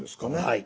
はい。